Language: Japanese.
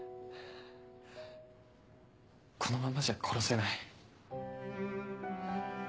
このままじゃ殺せない。